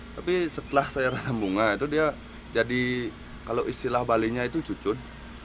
tapi setelah saya ranah bunga itu dia jadi kalau istilah balinya itu cucun